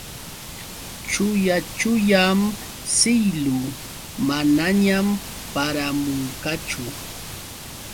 Chuya chuyam siylu. Manañam paramunqachu.